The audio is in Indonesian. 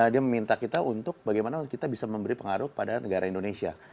dia meminta kita untuk bagaimana kita bisa memberi pengaruh kepada negara indonesia